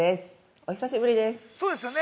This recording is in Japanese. お久しぶりです。